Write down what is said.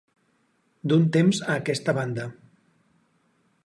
D'un temps a aquesta banda.